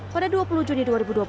pada dua puluh juni dua ribu dua puluh